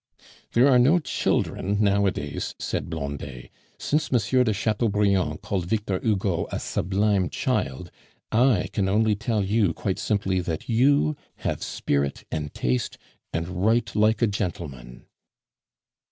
"There are no children nowadays," said Blondet. "Since M. de Chateaubriand called Victor Hugo a 'sublime child,' I can only tell you quite simply that you have spirit and taste, and write like a gentleman."